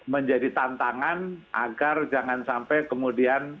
menjadi tantangan agar jangan sampai kemudian